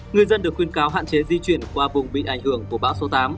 người dân được khuyên cáo hạn chế di chuyển qua vùng bị ảnh hưởng của bão số tám